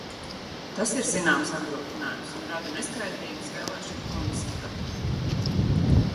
Tas ir zināms apgrūtinājums un rada neskaidrības vēlēšanu komisijām.